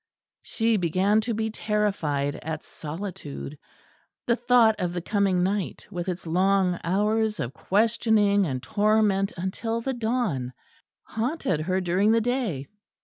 She began to be terrified at solitude; the thought of the coming night, with its long hours of questioning and torment until the dawn, haunted her during the day.